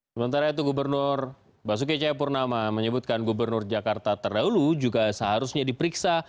sementara itu gubernur basuke caya purnama menyebutkan gubernur jakarta terlalu juga seharusnya diperiksa